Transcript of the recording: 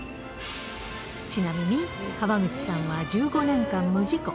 ちなみに、川口さんは１５年間、無事故。